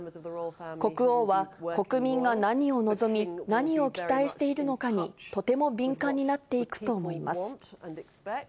国王は国民が何を望み、何を期待しているのかにとても敏感になっていくと思います。